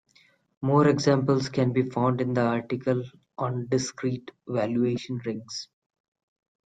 More examples can be found in the article on discrete valuation rings.